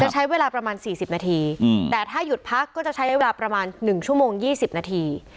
จะใช้เวลาประมาณสี่สิบนาทีอืมแต่ถ้าหยุดพักก็จะใช้เวลาประมาณหนึ่งชั่วโมงยี่สิบนาที